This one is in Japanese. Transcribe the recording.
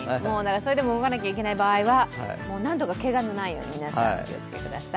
それでも動かなきゃいけない場合はなんとかけがのないように皆さん、お気をつけください。